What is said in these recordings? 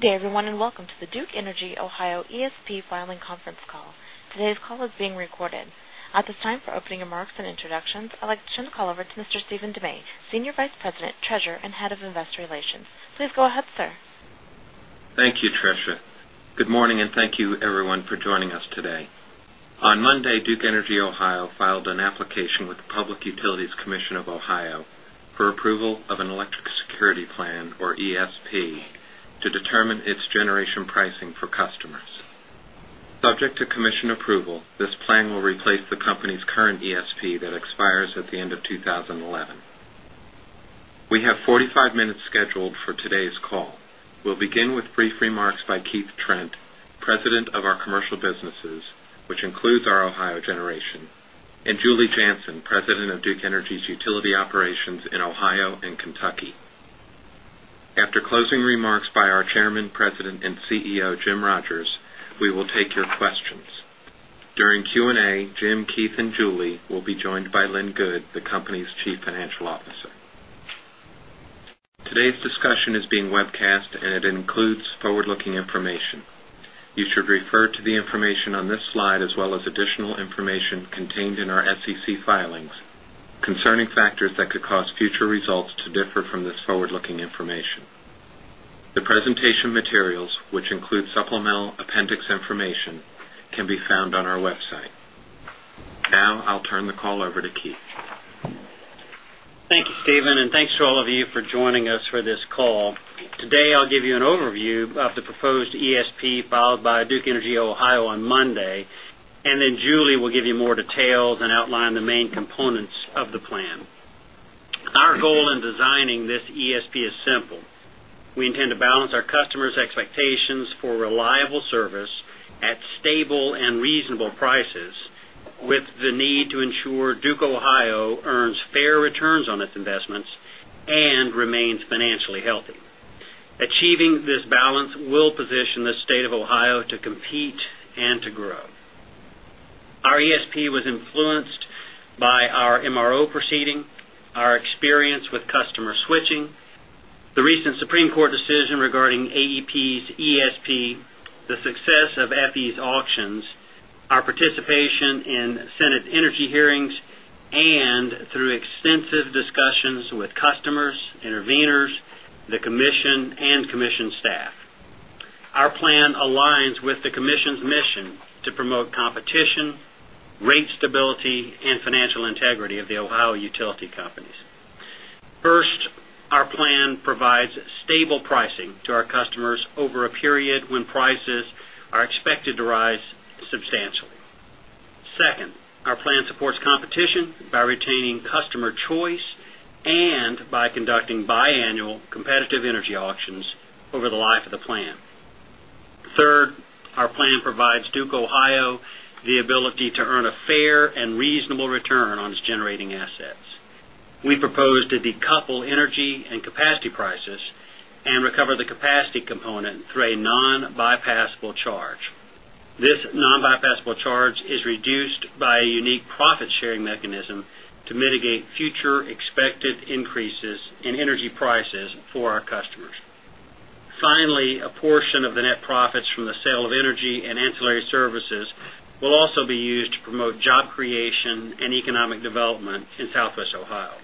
Good day, everyone, and welcome to the Duke Energy Ohio ESP Filing Conference Call. Today's call is being recorded. At this time, for opening remarks and introductions, I'd like to turn the call over to Mr. Stephen De May, Senior Vice President, Treasurer, and Head of Investor Relations. Please go ahead, sir. Thank you, Tricia. Good morning, and thank you, everyone, for joining us today. On Monday, Duke Energy Ohio filed an application with the Public Utilities Commission of Ohio for approval of an Electric Security Plan, or ESP, to determine its generation pricing for customers. Subject to commission approval, this plan will replace the company's current ESP that expires at the end of 2011. We have 45 minutes scheduled for today's call. We'll begin with brief remarks by Keith Trent, President of our Commercial Businesses, which includes our Ohio generation, and Julia Janson, President of Duke Energy's Utility Operations in Ohio and Kentucky. After closing remarks by our Chairman, President, and CEO, Jim Rogers, we will take your questions. During Q&A, Jim, Keith, and Julia will be joined by Lynn Good, the company's Chief Financial Officer. Today's discussion is being webcast, and it includes forward-looking information. You should refer to the information on this slide, as well as additional information contained in our SEC filings concerning factors that could cause future results to differ from this forward-looking information. The presentation materials, which include supplemental appendix information, can be found on our website. Now, I'll turn the call over to Keith. Thank you, Stephen, and thanks to all of you for joining us for this call. Today, I'll give you an overview of the proposed ESP filed by Duke Energy Ohio on Monday, and then Julia will give you more details and outline the main components of the plan. Our goal in designing this ESP is simple. We intend to balance our customers' expectations for reliable service at stable and reasonable prices, with the need to ensure Duke Energy Ohio earns fair returns on its investments and remains financially healthy. Achieving this balance will position the state of Ohio to compete and to grow. Our ESP was influenced by our MRO proceeding, our experience with customer switching, the recent Supreme Court decision regarding AEP's ESP, the success of EPI's auctions, our participation in Senate energy hearings, and through extensive discussions with customers, interveners, the commission, and commission staff. Our plan aligns with the commission's mission to promote competition, rate stability, and financial integrity of the Ohio utility companies. First, our plan provides stable pricing to our customers over a period when prices are expected to rise substantially. Second, our plan supports competition by retaining customer choice and by conducting biannual competitive energy auctions over the life of the plan. Third, our plan provides Duke Energy Ohio the ability to earn a fair and reasonable return on its generating assets. We propose to decouple energy and capacity prices and recover the capacity component through a non-bypassable charge. This non-bypassable charge is reduced by a unique profit-sharing mechanism to mitigate future expected increases in energy prices for our customers. Finally, a portion of the net profits from the sale of energy and ancillary services will also be used to promote job creation and economic development in Southwest Ohio.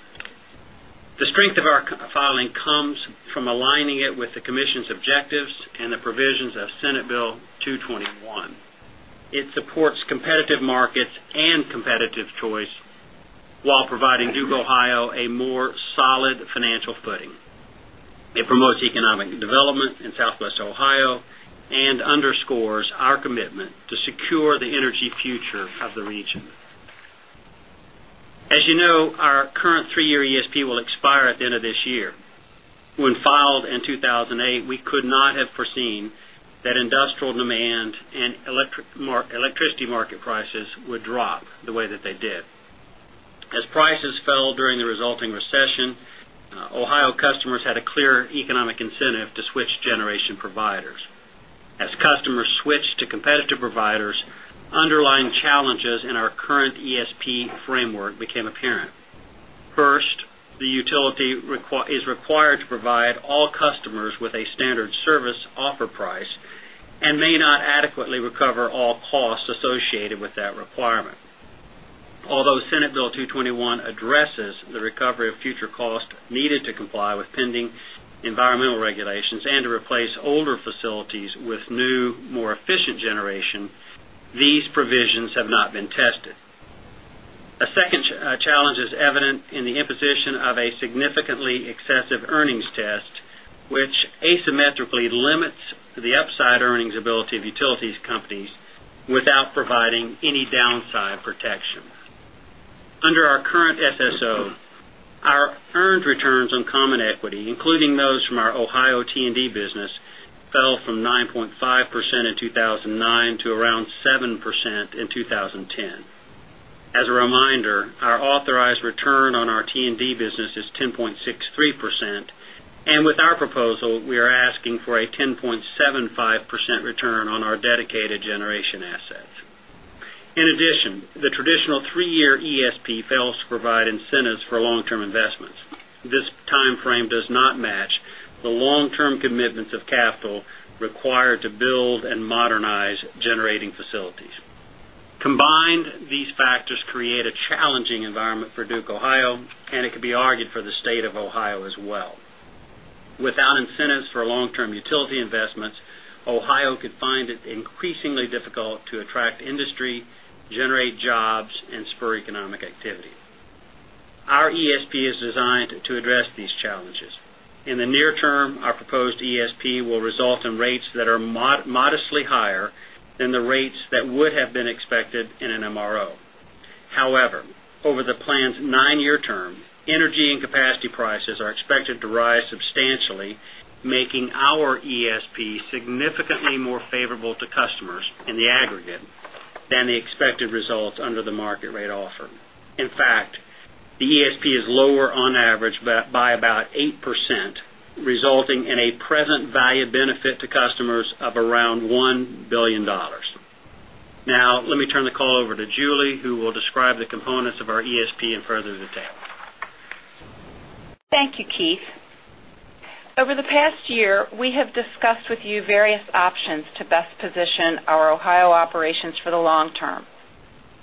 The strength of our filing comes from aligning it with the commission's objectives and the provisions of Senate Bill 221. It supports competitive markets and competitive choice while providing Duke Energy Ohio a more solid financial footing. It promotes economic development in Southwest Ohio and underscores our commitment to secure the energy future of the region. As you know, our current three-year ESP will expire at the end of this year. When filed in 2008, we could not have foreseen that industrial demand and electricity market prices would drop the way that they did. As prices fell during the resulting recession, Ohio customers had a clear economic incentive to switch generation providers. As customers switched to competitive providers, underlying challenges in our current ESP framework became apparent. First, the utility is required to provide all customers with a standard service offer price and may not adequately recover all costs associated with that requirement. Although Senate Bill 221 addresses the recovery of future costs needed to comply with pending environmental regulations and to replace older facilities with new, more efficient generation, these provisions have not been tested. A second challenge is evident in the imposition of a significantly excessive earnings test, which asymmetrically limits the upside earnings ability of utilities companies without providing any downside protections. Under our current SSO, our earned returns on common equity, including those from our Ohio T&D business, fell from 9.5% in 2009 to around 7% in 2010. As a reminder, our authorized return on our T&D business is 10.63%, and with our proposal, we are asking for a 10.75% return on our dedicated generation assets. In addition, the traditional three-year ESP fails to provide incentives for long-term investments. This time frame does not match the long-term commitments of capital required to build and modernize generating facilities. Combined, these factors create a challenging environment for Duke Ohio, and it could be argued for the State of Ohio as well. Without incentives for long-term utility investments, Ohio could find it increasingly difficult to attract industry, generate jobs, and spur economic activity. Our ESP is designed to address these challenges. In the near term, our proposed ESP will result in rates that are modestly higher than the rates that would have been expected in an MRO. However, over the plan's nine-year term, energy and capacity prices are expected to rise substantially, making our ESP significantly more favorable to customers in the aggregate than the expected results under the market rate offered. In fact, the ESP is lower on average by about 8%, resulting in a present value benefit to customers of around $1 billion. Now, let me turn the call over to Julia, who will describe the components of our ESP in further detail. Thank you, Keith. Over the past year, we have discussed with you various options to best position our Ohio operations for the long term.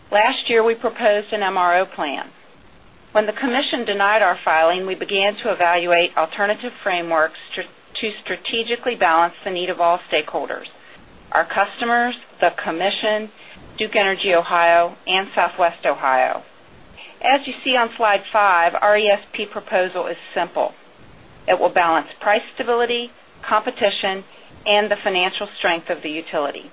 Last year, we proposed an MRO plan. When the commission denied our filing, we began to evaluate alternative frameworks to strategically balance the need of all stakeholders: our customers, the commission, Duke Energy Ohio, and Southwest Ohio. As you see on slide five, our ESP proposal is simple. It will balance price stability, competition, and the financial strength of the utility.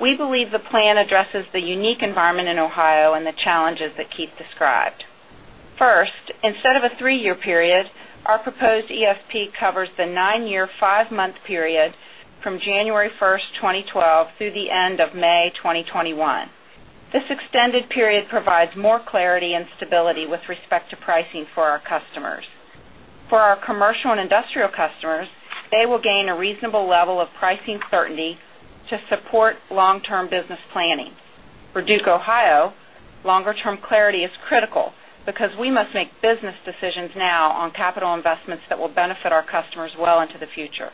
We believe the plan addresses the unique environment in Ohio and the challenges that Keith described. First, instead of a three-year period, our proposed ESP covers the nine-year, five-month period from January 1st, 2012, through the end of May 2021. This extended period provides more clarity and stability with respect to pricing for our customers. For our commercial and industrial customers, they will gain a reasonable level of pricing certainty to support long-term business planning. For Duke Ohio, longer-term clarity is critical because we must make business decisions now on capital investments that will benefit our customers well into the future.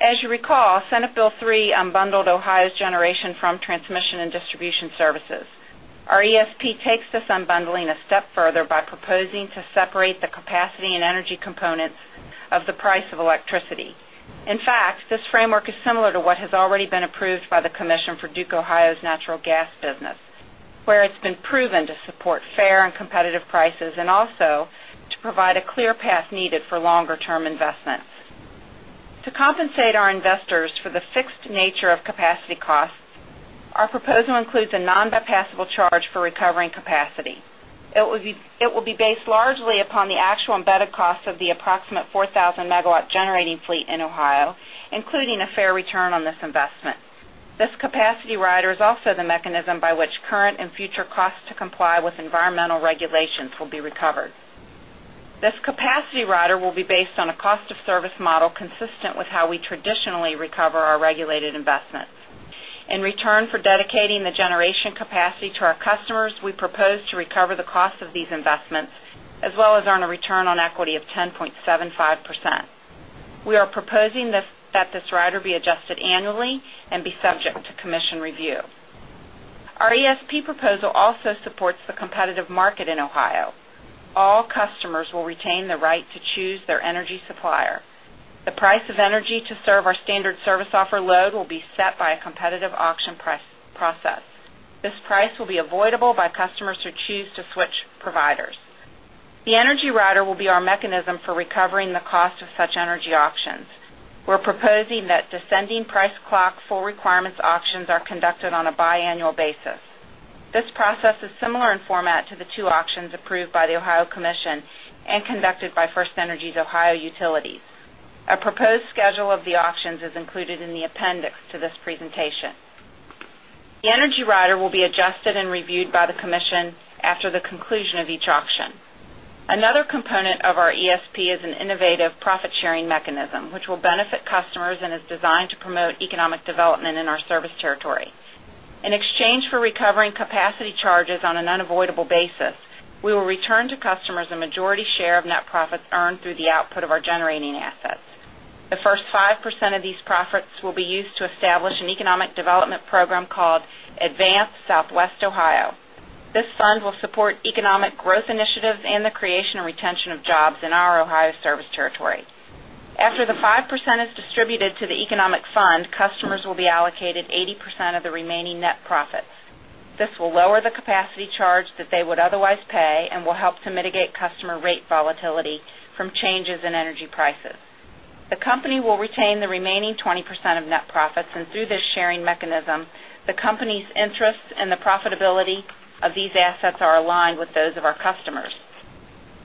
As you recall, Senate Bill 3 unbundled Ohio's generation from transmission and distribution services. Our ESP takes this unbundling a step further by proposing to separate the capacity and energy components of the price of electricity. In fact, this framework is similar to what has already been approved by the commission for Duke Ohio's natural gas business, where it's been proven to support fair and competitive prices and also to provide a clear path needed for longer-term investments. To compensate our investors for the fixed nature of capacity costs, our proposal includes a non-bypassable charge for recovering capacity. It will be based largely upon the actual embedded cost of the approximate 4,000 MW generating fleet in Ohio, including a fair return on this investment. This capacity rider is also the mechanism by which current and future costs to comply with environmental regulations will be recovered. This capacity rider will be based on a cost-of-service model consistent with how we traditionally recover our regulated investments. In return for dedicating the generation capacity to our customers, we propose to recover the cost of these investments, as well as earn a return on equity of 10.75%. We are proposing that this rider be adjusted annually and be subject to commission review. Our ESP proposal also supports the competitive market in Ohio. All customers will retain the right to choose their energy supplier. The price of energy to serve our standard service offer load will be set by a competitive auction price process. This price will be avoidable by customers who choose to switch providers. The energy rider will be our mechanism for recovering the cost of such energy auctions. We're proposing that descending price clock full requirements auctions are conducted on a biannual basis. This process is similar in format to the two auctions approved by the Ohio Commission and conducted by FirstEnergy's Ohio Utilities. A proposed schedule of the auctions is included in the appendix to this presentation. The energy rider will be adjusted and reviewed by the commission after the conclusion of each auction. Another component of our ESP is an innovative profit-sharing mechanism, which will benefit customers and is designed to promote economic development in our service territory. In exchange for recovering capacity charges on an unavoidable basis, we will return to customers a majority share of net profits earned through the output of our generation assets. The first 5% of these profits will be used to establish an economic development program called Advance Southwest Ohio. This fund will support economic growth initiatives and the creation and retention of jobs in our Ohio service territory. After the 5% is distributed to the economic fund, customers will be allocated 80% of the remaining net profits. This will lower the capacity charge that they would otherwise pay and will help to mitigate customer rate volatility from changes in energy prices. The company will retain the remaining 20% of net profits, and through this sharing mechanism, the company's interests and the profitability of these assets are aligned with those of our customers.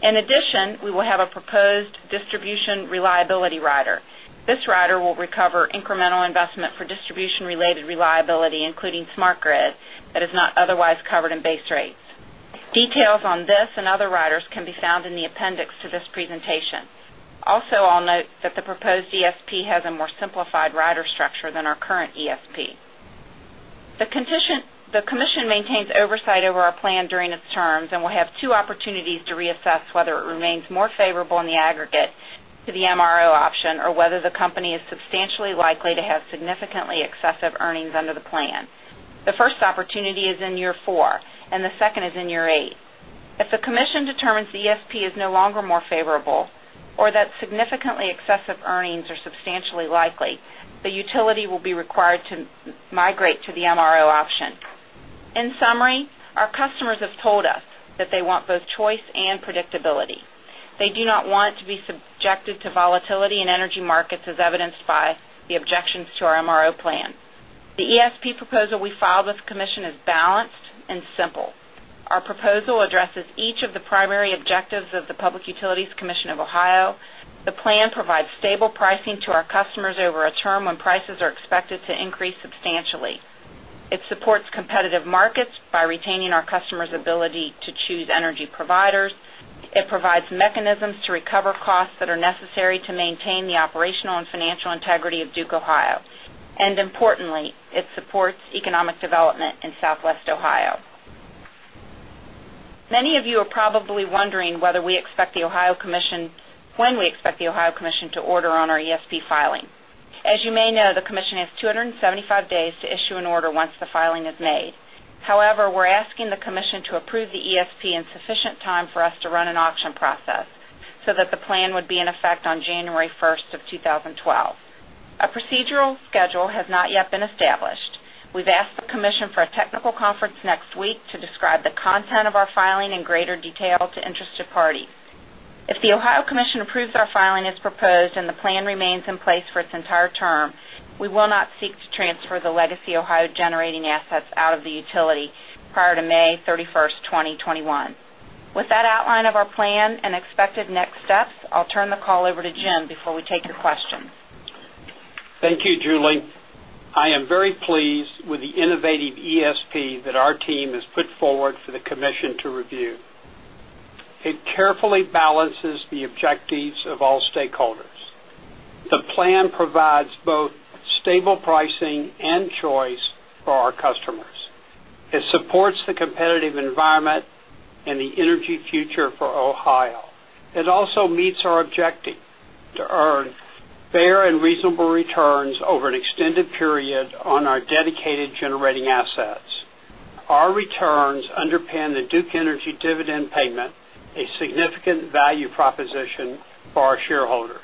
In addition, we will have a proposed distribution reliability rider. This rider will recover incremental investment for distribution-related reliability, including smart grid that is not otherwise covered in base rates. Details on this and other riders can be found in the appendix to this presentation. Also, I'll note that the proposed ESP has a more simplified rider structure than our current ESP. The commission maintains oversight over our plan during its terms and will have two opportunities to reassess whether it remains more favorable in the aggregate to the MRO option or whether the company is substantially likely to have significantly excessive earnings under the plan. The first opportunity is in year four, and the second is in year eight. If the commission determines the ESP is no longer more favorable or that significantly excessive earnings are substantially likely, the utility will be required to migrate to the MRO option. In summary, our customers have told us that they want both choice and predictability. They do not want to be subjected to volatility in energy markets, as evidenced by the objections to our MRO plan. The ESP proposal we filed with the commission is balanced and simple. Our proposal addresses each of the primary objectives of the Public Utilities Commission of Ohio. The plan provides stable pricing to our customers over a term when prices are expected to increase substantially. It supports competitive markets by retaining our customers' ability to choose energy providers. It provides mechanisms to recover costs that are necessary to maintain the operational and financial integrity of Duke Ohio. Importantly, it supports economic development in Southwest Ohio. Many of you are probably wondering when we expect the Ohio Commission to order on our ESP filing. As you may know, the commission has 275 days to issue an order once the filing is made. However, we're asking the commission to approve the ESP in sufficient time for us to run an auction process so that the plan would be in effect on January 1st of 2012. A procedural schedule has not yet been established. We've asked the commission for a technical conference next week to describe the content of our filing in greater detail to interested parties. If the Ohio Commission approves our filing as proposed and the plan remains in place for its entire term, we will not seek to transfer the legacy Ohio generating assets out of the utility prior to May 31st, 2021. With that outline of our plan and expected next steps, I'll turn the call over to Jim before we take your question. Thank you, Julia. I am very pleased with the innovative ESP that our team has put forward for the commission to review. It carefully balances the objectives of all stakeholders. The plan provides both stable pricing and choice for our customers. It supports the competitive environment and the energy future for Ohio. It also meets our objective to earn fair and reasonable returns over an extended period on our dedicated generating assets. Our returns underpin the Duke Energy dividend payment, a significant value proposition for our shareholders.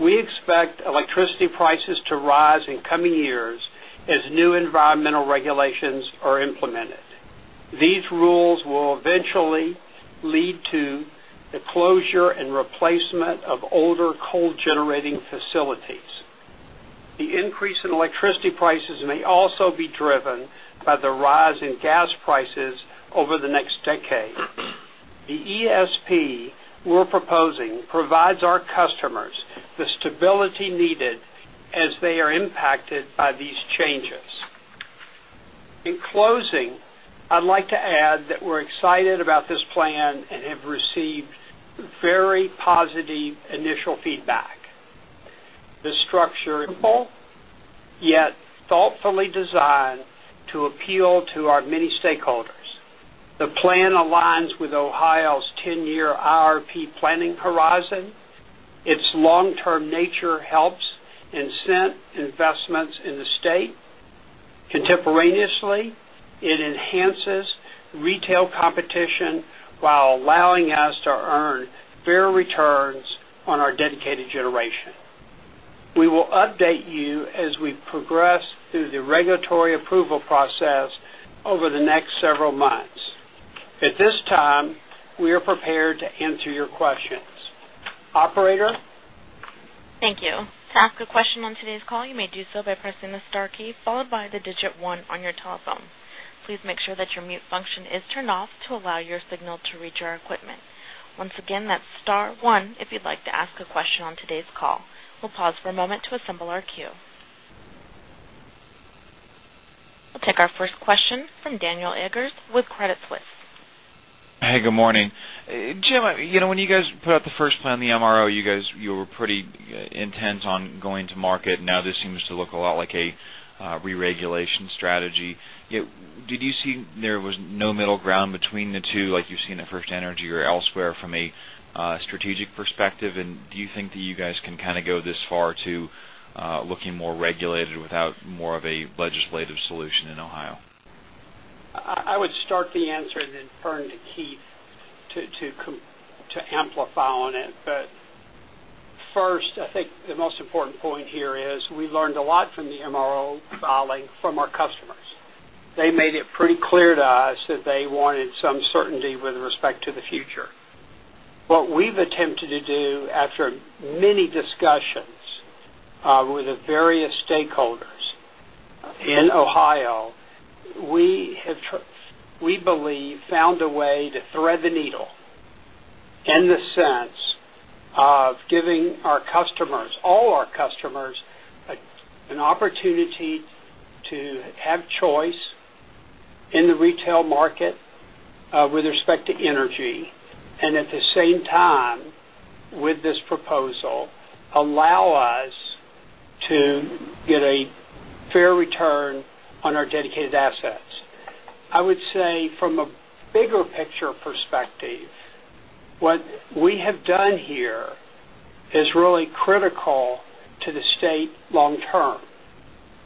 We expect electricity prices to rise in coming years as new environmental regulations are implemented. These rules will eventually lead to the closure and replacement of older coal generating facilities. The increase in electricity prices may also be driven by the rise in gas prices over the next decade. The ESP we're proposing provides our customers the stability needed as they are impacted by these changes. In closing, I'd like to add that we're excited about this plan and have received very positive initial feedback. The structure is simple, yet thoughtfully designed to appeal to our many stakeholders. The plan aligns with Ohio's 10-year IRP planning horizon. Its long-term nature helps incent investments in the state. Contemporaneously, it enhances retail competition while allowing us to earn fair returns on our dedicated generation. We will update you as we progress through the regulatory approval process over the next several months. At this time, we are prepared to answer your questions. Operator? Thank you. To ask a question on today's call, you may do so by pressing the Star key followed by the digit one on your telephone. Please make sure that your mute function is turned off to allow your signal to reach our equipment. Once again, that's Star, one if you'd like to ask a question on today's call. We'll pause for a moment to assemble our queue. We'll take our first question from Daniel Eggers with Credit Suisse. Hey, good morning. Jim, you know when you guys put out the first plan, the MRO, you guys were pretty intense on going to market, and now this seems to look a lot like a re-regulation strategy. Did you see there was no middle ground between the two like you've seen at FirstEnergy or elsewhere from a strategic perspective? Do you think that you guys can kind of go this far to looking more regulated without more of a legislative solution in Ohio? I would start the answer and then turn to Keith to amplify on it. First, I think the most important point here is we learned a lot from the MRO filing from our customers. They made it pretty clear to us that they wanted some certainty with respect to the future. What we've attempted to do after many discussions with the various stakeholders in Ohio, we believe found a way to thread the needle in the sense of giving our customers, all our customers, an opportunity to have choice in the retail market with respect to energy and at the same time with this proposal allow us to get a fair return on our dedicated assets. I would say from a bigger picture perspective, what we have done here is really critical to the state long term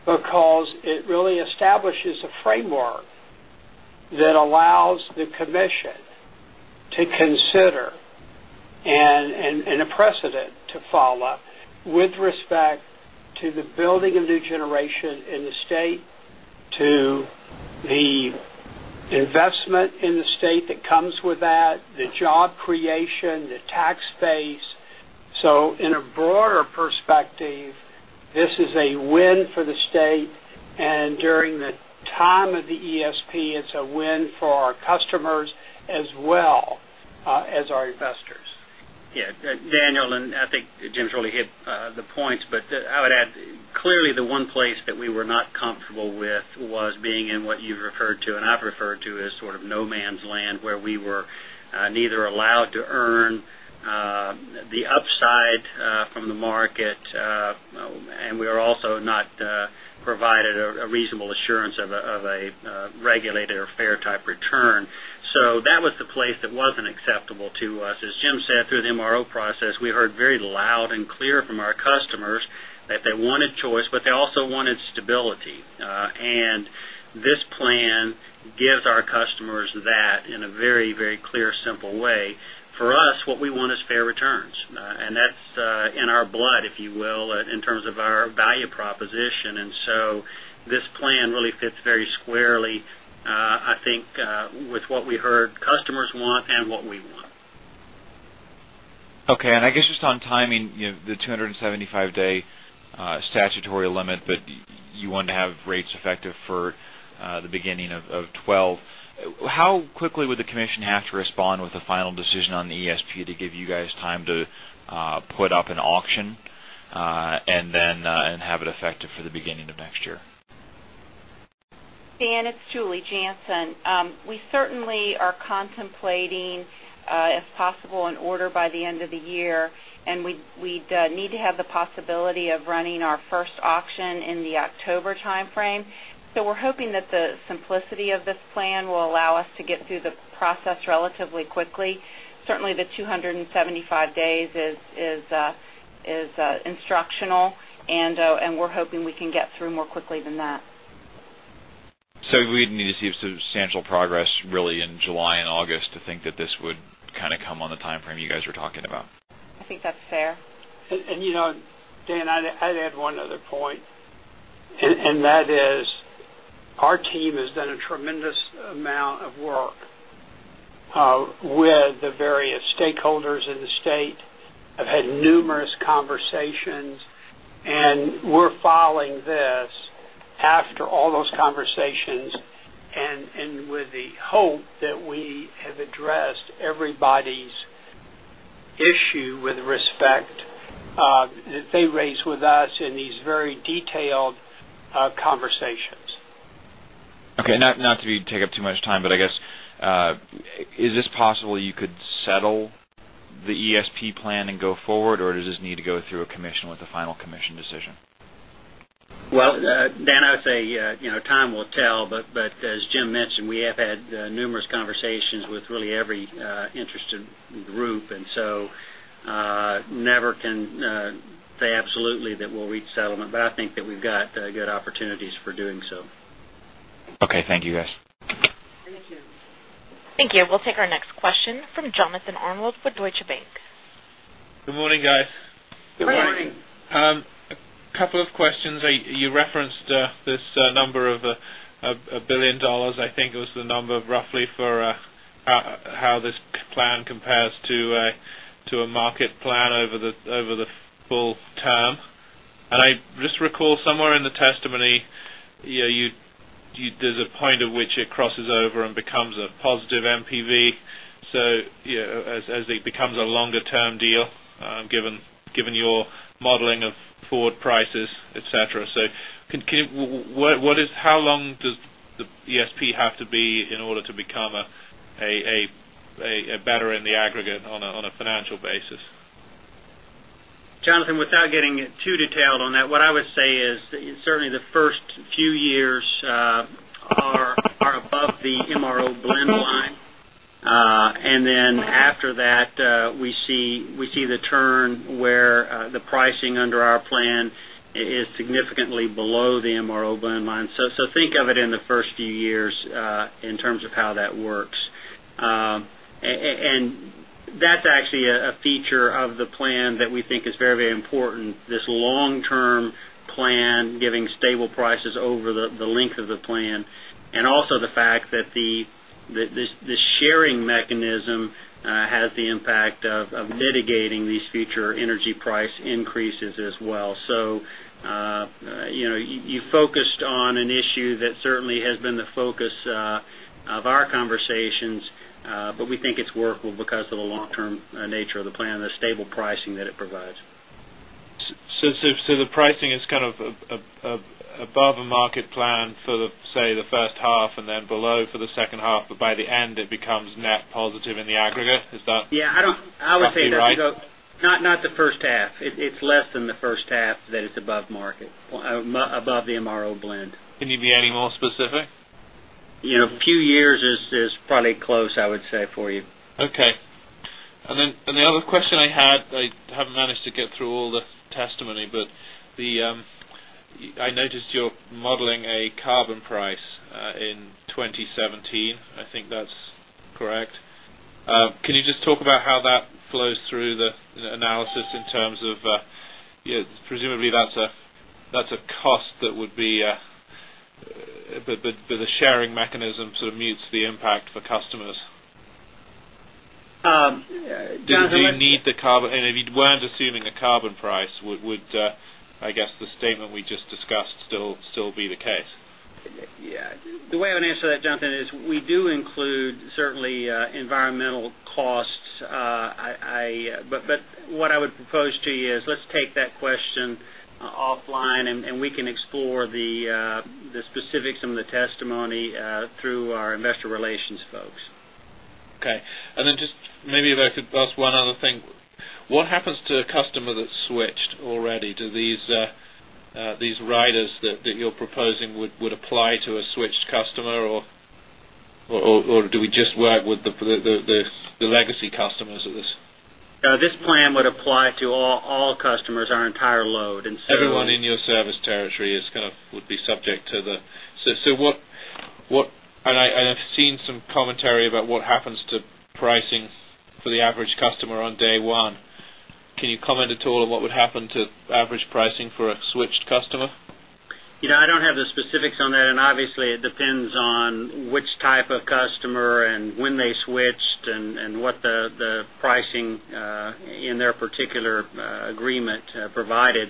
because it really establishes a framework that allows the commission to consider and a precedent to follow with respect to the building of new generation in the state, to the investment in the state that comes with that, the job creation, the tax base. In a broader perspective, this is a win for the state, and during the time of the ESP, it's a win for our customers as well as our investors. Yeah, Daniel, I think Jim's really hit the points, but I would add clearly the one place that we were not comfortable with was being in what you've referred to and I've referred to as sort of no man's land where we were neither allowed to earn the upside from the market, and we were also not provided a reasonable assurance of a regulated or fair type return. That was the place that wasn't acceptable to us. As Jim said, through the MRO process, we heard very loud and clear from our customers that they wanted choice, but they also wanted stability. This plan gives our customers that in a very, very clear, simple way. For us, what we want is fair returns, and that's in our blood, if you will, in terms of our value proposition. This plan really fits very squarely, I think, with what we heard customers want and what we want. Okay, and I guess just on timing, you know the 275-day statutory limit, but you wanted to have rates effective for the beginning of 2012. How quickly would the commission have to respond with a final decision on the ESP to give you guys time to put up an auction and then have it effective for the beginning of next year? Dan, it's Julia Janson. We certainly are contemplating, if possible, an order by the end of the year, and we'd need to have the possibility of running our first auction in the October time frame. We're hoping that the simplicity of this plan will allow us to get through the process relatively quickly. The 275 days is instructional, and we're hoping we can get through more quickly than that. We'd need to see substantial progress really in July and August to think that this would kind of come on the time frame you guys were talking about. I think that's fair. You know, Dan, I'd add one other point, and that is our team has done a tremendous amount of work with the various stakeholders in the state. I've had numerous conversations, and we're filing this after all those conversations with the hope that we have addressed everybody's issue with respect to what they raised with us in these very detailed conversations. Okay, not to take up too much time, but I guess is this possible you could settle the ESP plan and go forward, or does this need to go through a commission with a final commission decision? Dan, I'd say time will tell, but as Jim mentioned, we have had numerous conversations with really every interested group, and never can say absolutely that we'll reach settlement, but I think that we've got good opportunities for doing so. Okay, thank you, guys. Thank you. Thank you. We'll take our next question from Jonathan Arnold with Deutsche Bank. Good morning, guys. Good morning. Good morning. A couple of questions. You referenced this number of $1 billion. I think it was the number of roughly for how this plan compares to a market plan over the full term. I just recall somewhere in the testimony, there's a point at which it crosses over and becomes a positive MPV. As it becomes a longer-term deal, given your modeling of forward prices, etc., can you say how long does the ESP have to be in order to become better in the aggregate on a financial basis? Jonathan, without getting too detailed on that, what I would say is certainly the first few years are above the MRO blend line, and then after that, we see the turn where the pricing under our plan is significantly below the MRO blend line. Think of it in the first few years in terms of how that works. That's actually a feature of the plan that we think is very, very important, this long-term plan giving stable prices over the length of the plan, and also the fact that the sharing mechanism has the impact of mitigating these future energy price increases as well. You focused on an issue that certainly has been the focus of our conversations, but we think it's workable because of the long-term nature of the plan, the stable pricing that it provides. The pricing is kind of above a market plan for the, say, the first half and then below for the second half, but by the end, it becomes net positive in the aggregate. Is that right? I would say that's not the first half. It's less than the first half that it's above market, above the MRO blend. Can you be any more specific? A few years is probably close, I would say, for you. Okay. The other question I had, I haven't managed to get through all the testimony, but I noticed you're modeling a carbon price in 2017. I think that's correct. Can you just talk about how that flows through the analysis in terms of presumably that's a cost that would be, but the sharing mechanism sort of mutes the impact for customers. Do you need the carbon? If you weren't assuming a carbon price, would the statement we just discussed still be the case? Yeah. The way I would answer that, Jonathan, is we do include certainly environmental costs, but what I would propose to you is let's take that question offline, and we can explore the specifics and the testimony through our investor relations folks. Okay. If I could ask one other thing, what happens to a customer that's switched already? Do these riders that you're proposing apply to a switched customer, or do we just work with the legacy customers of this? This plan would apply to all customers, our entire load. Everyone in your service territory would be subject to the.. What happens to pricing for the average customer on day one? Can you comment at all on what would happen to average pricing for a switched customer? I don't have the specifics on that, and obviously, it depends on which type of customer and when they switched and what the pricing in their particular agreement provided.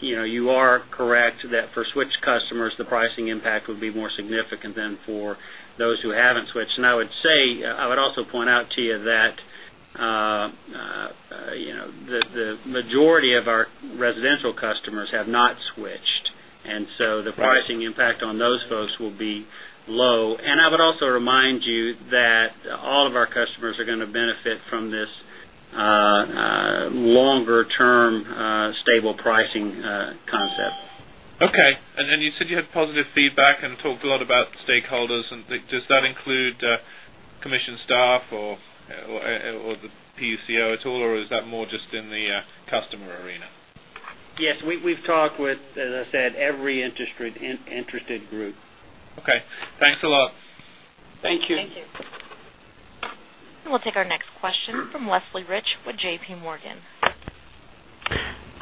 You are correct that for switched customers, the pricing impact would be more significant than for those who haven't switched. I would also point out to you that the majority of our residential customers have not switched, so the pricing impact on those folks will be low. I would also remind you that all of our customers are going to benefit from this longer-term stable pricing concept. Okay. You said you had positive feedback and talked a lot about stakeholders. Does that include commission staff or the PCO at all, or is that more just in the customer arena? Yes, we've talked with, as I said, every interested group. Okay, thanks a lot. Thank you. Thank you. We'll take our next question from Leslie Rich with JPMorgan.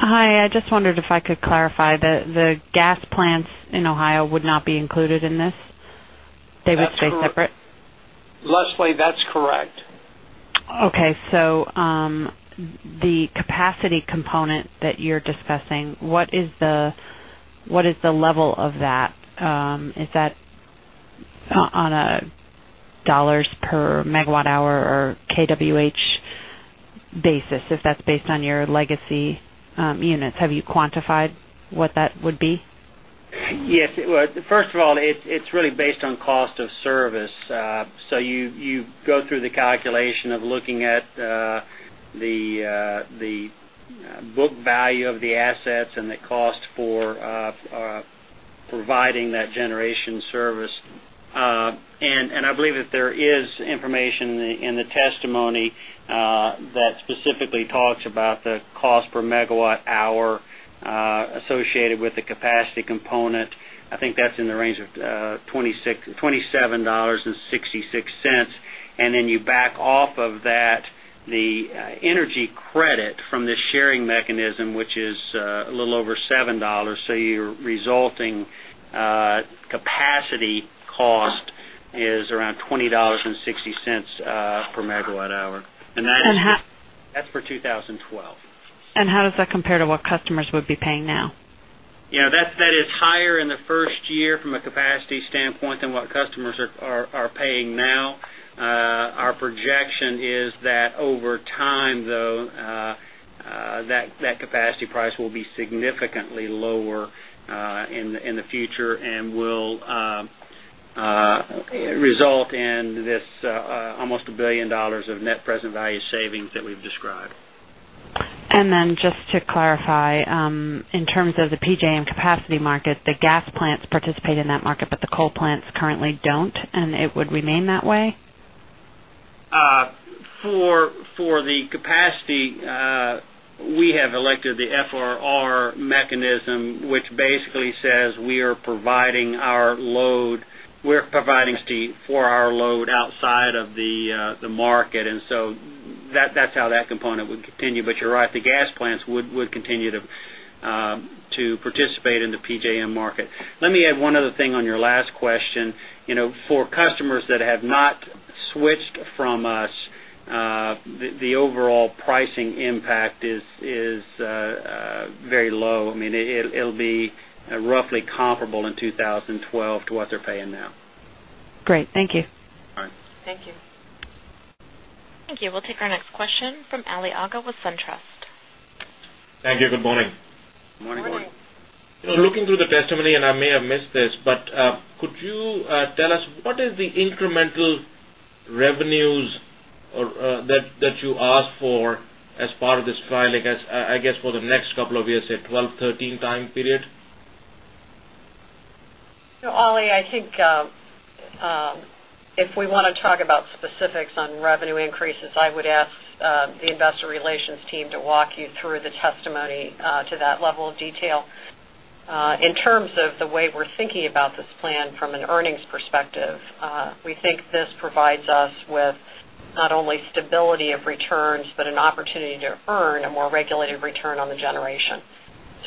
Hi, I just wondered if I could clarify that the gas plants in Ohio would not be included in this. They would stay separate. Leslie, that's correct. Okay. The capacity component that you're discussing, what is the level of that? Is that on a dollars per megawatt hour or KWH basis? If that's based on your legacy units, have you quantified what that would be? First of all, it's really based on cost of service. You go through the calculation of looking at the book value of the assets and the cost for providing that generation service. I believe that there is information in the testimony that specifically talks about the cost per megawatt hour associated with the capacity component. I think that's in the range of $26 and $27.66. You back off of that, the energy credit from the sharing mechanism, which is a little over $7. Your resulting capacity cost is around $20.60 per megawatt hour. That's for 2012. How does that compare to what customers would be paying now? Yeah, that is higher in the first year from a capacity standpoint than what customers are paying now. Our projection is that over time, though, that capacity price will be significantly lower in the future and will result in almost $1 billion of net present value savings that we've described. Just to clarify, in terms of the PJM capacity market, the gas plants participate in that market, but the coal plants currently don't, and it would remain that way? For the capacity, we have elected the FRR mechanism, which basically says we are providing for our load outside of the market. That's how that component would continue. You're right, the gas plants would continue to participate in the PJM market. Let me add one other thing on your last question. For customers that have not switched from us, the overall pricing impact is very low. It'll be roughly comparable in 2012 to what they're paying now. Great. Thank you. All right. Thank you. Thank you. We'll take our next question from Ali Aga with SunTrust. Thank you. Good morning. Morning. Good morning. Looking through the testimony, and I may have missed this, but could you tell us what is the incremental revenues that you asked for as part of this filing, I guess, for the next couple of years, say 2012, 2013 time period? Ali, I think if we want to talk about specifics on revenue increases, I would ask the Investor Relations team to walk you through the testimony to that level of detail. In terms of the way we're thinking about this plan from an earnings perspective, we think this provides us with not only stability of returns, but an opportunity to earn a more regulated return on the generation.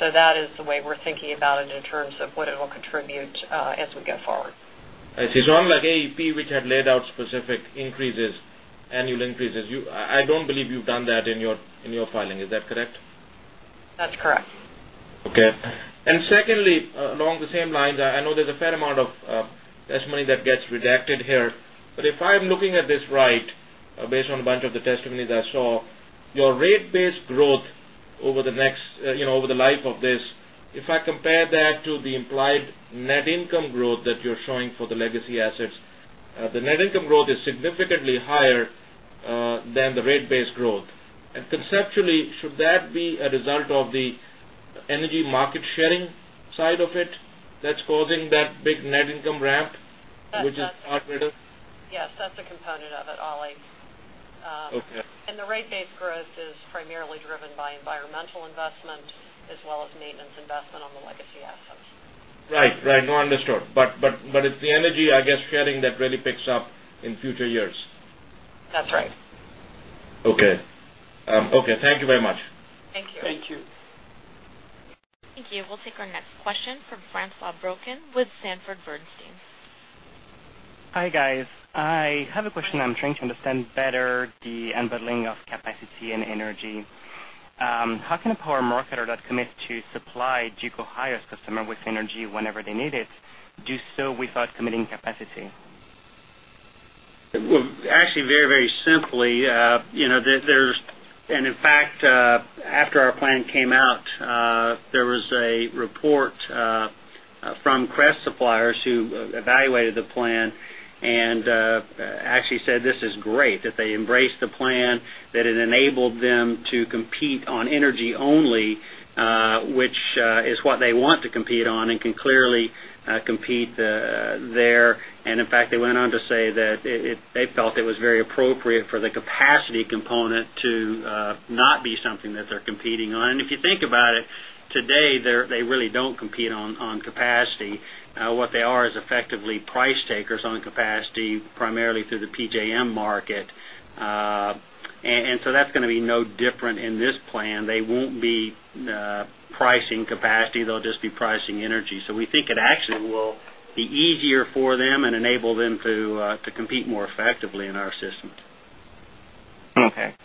That is the way we're thinking about it in terms of what it will contribute as we go forward. I see. Unlike AEP, which had laid out specific increases, annual increases, I don't believe you've done that in your filing. Is that correct? That's correct. Okay. Secondly, along the same lines, I know there's a fair amount of testimony that gets redacted here, but if I'm looking at this right, based on a bunch of the testimonies I saw, your rate-based growth over the next, you know, over the life of this, if I compare that to the implied net income growth that you're showing for the legacy assets, the net income growth is significantly higher than the rate-based growth. Conceptually, should that be a result of the energy market sharing side of it that's causing that big net income ramp, which is partly done? Yes, that's a component of it, Ali. Okay. The rate-based growth is primarily driven by environmental investment as well as maintenance investment on the legacy assets. Right, right. No, understood. It's the energy, I guess, sharing that really picks up in future years. That's right. Okay. Thank you very much. Thank you. Thank you. Thank you. We'll take our next question from Francois Broquin with Sanford Bernstein. Hi, guys. I have a question. I'm trying to understand better the unbundling of capacity and energy. How can a power market or that commits to supply Duke Ohio's customer with energy whenever they need it do so without committing capacity? Very simply, you know, there's, in fact, after our plan came out, there was a report from CREST-suppliers who evaluated the plan and actually said this is great, that they embraced the plan, that it enabled them to compete on energy only, which is what they want to compete on and can clearly compete there. In fact, they went on to say that they felt it was very appropriate for the capacity component to not be something that they're competing on. If you think about it, today, they really don't compete on capacity. What they are is effectively price takers on capacity, primarily through the PJM market. That's going to be no different in this plan. They won't be pricing capacity. They'll just be pricing energy. We think it actually will be easier for them and enable them to compete more effectively in our system. Okay.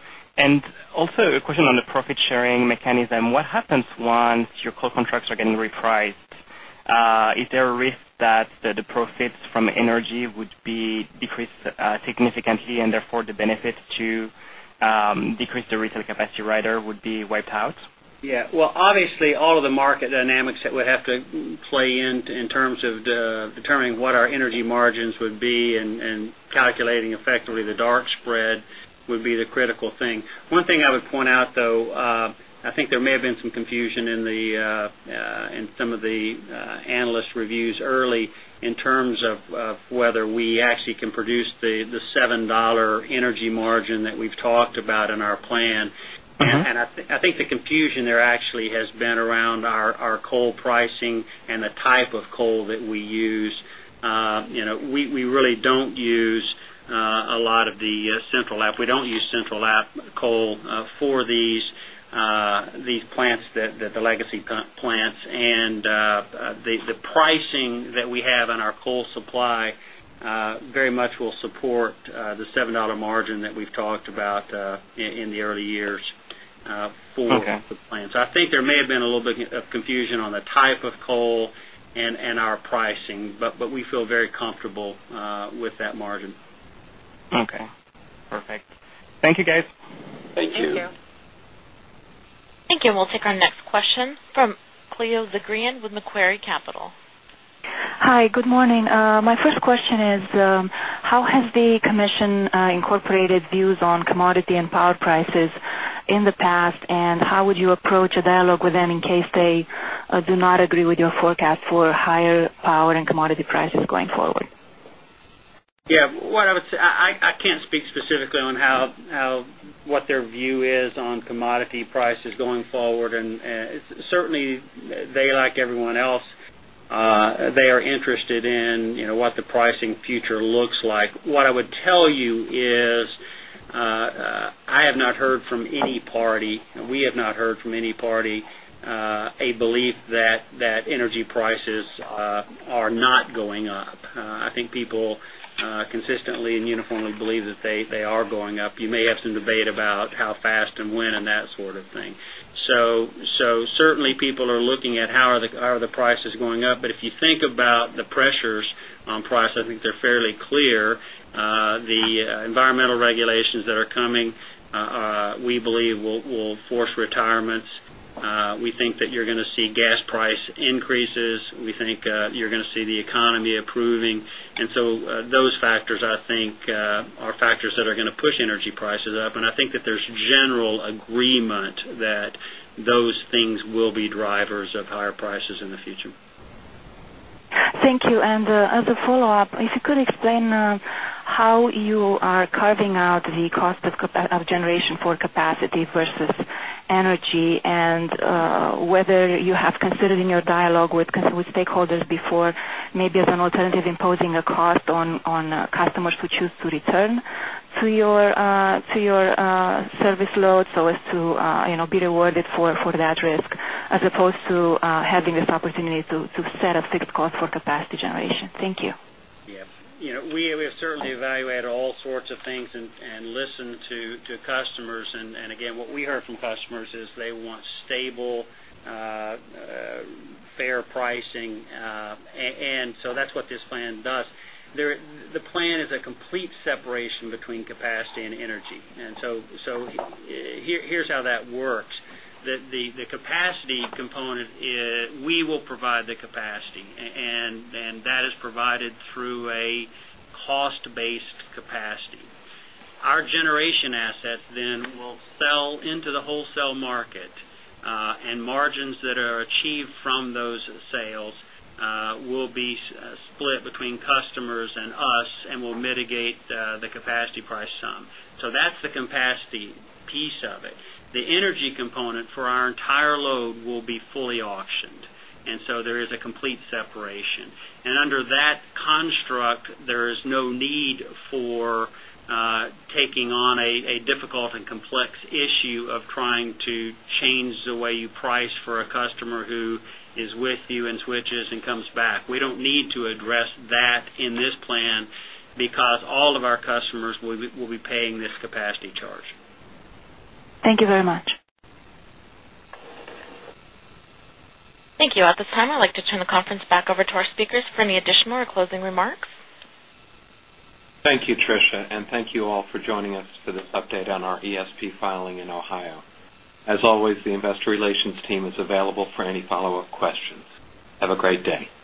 Also, a question on the profit-sharing mechanism. What happens once your coal contracts are getting repriced? Is there a risk that the profits from energy would be decreased significantly, and therefore the benefits to decrease the retail capacity rider would be wiped out? Obviously, all of the market dynamics that would have to play in terms of determining what our energy margins would be and calculating effectively the DART spread would be the critical thing. One thing I would point out, though, I think there may have been some confusion in some of the analyst reviews early in terms of whether we actually can produce the $7 energy margin that we've talked about in our plan. I think the confusion there actually has been around our coal pricing and the type of coal that we use. You know, we really don't use a lot of the CentralApp. We don't use CentralApp coal for these plants, the legacy plants. The pricing that we have in our coal supply very much will support the $7 margin that we've talked about in the early years for the plants. I think there may have been a little bit of confusion on the type of coal and our pricing, but we feel very comfortable with that margin. Okay. Perfect. Thank you, guys. Thank you. Thank you. Thank you. We'll take our next question from Cleo Zegrian with Macquarie Capital. Hi. Good morning. My first question is, how has the commission incorporated views on commodity and power prices in the past, and how would you approach a dialogue with them in case they do not agree with your forecast for higher power and commodity prices going forward? Yeah. What I would say, I can't speak specifically on how what their view is on commodity prices going forward. Certainly, they, like everyone else, are interested in what the pricing future looks like. What I would tell you is I have not heard from any party, and we have not heard from any party, a belief that energy prices are not going up. I think people consistently and uniformly believe that they are going up. You may have some debate about how fast and when and that sort of thing. Certainly, people are looking at how are the prices going up. If you think about the pressures on price, I think they're fairly clear. The environmental regulations that are coming, we believe, will force retirements. We think that you're going to see gas price increases. We think you're going to see the economy improving. Those factors, I think, are factors that are going to push energy prices up. I think that there's general agreement that those things will be drivers of higher prices in the future. Thank you. As a follow-up, if you could explain how you are carving out the cost of generation for capacity versus energy, and whether you have considered in your dialogue with stakeholders before, maybe as an alternative imposing a cost on customers who choose to return to your service load so as to be rewarded for that risk, as opposed to having this opportunity to set a fixed cost for capacity generation. Thank you. Yes. We have certainly evaluated all sorts of things and listened to customers. What we heard from customers is they want stable, fair pricing. That is what this plan does. The plan is a complete separation between capacity and energy. Here is how that works. The capacity component is we will provide the capacity, and that is provided through a cost-based capacity. Our generation assets then will sell into the wholesale market, and margins that are achieved from those sales will be split between customers and us and will mitigate the capacity price sum. That is the capacity piece of it. The energy component for our entire load will be fully auctioned. There is a complete separation. Under that construct, there is no need for taking on a difficult and complex issue of trying to change the way you price for a customer who is with you and switches and comes back. We do not need to address that in this plan because all of our customers will be paying this capacity charge. Thank you very much. Thank you. At this time, I'd like to turn the conference back over to our speakers for any additional or closing remarks. Thank you, Tricia, and thank you all for joining us for this update on our ESP filing in Ohio. As always, the Investor Relations team is available for any follow-up questions. Have a great day.